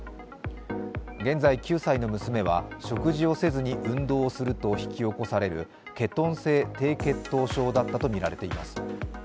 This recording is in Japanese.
現在９歳の娘は食事をせずに運動をすると引き起こされるケトン性低血糖症だったとみられています。